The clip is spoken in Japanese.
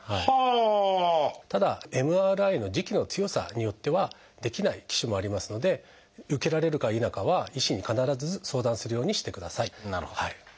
ただＭＲＩの磁気の強さによってはできない機種もありますので受けられるか否かは医師に必ず相談するようにしてください。